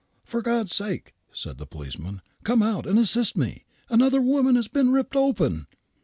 " For God's sake," said the policeman, " come out and assist me ! Another woman has been ripped open."